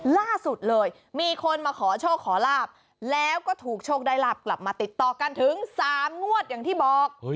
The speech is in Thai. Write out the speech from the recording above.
ล่าสุดเลยมีคนมาขอโชคขอลาบแล้วก็ถูกโชคได้ลาบกลับมาติดต่อกันถึง๓งวดอย่างที่บอก